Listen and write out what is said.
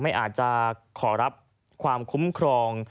ไม่อาจจะขอรับความคุ้มครอง